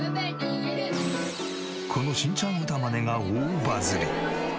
このしんちゃん歌マネが大バズり。